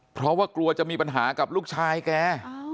เพราะว่ากลัวจะมีปัญหากับลูกชายแก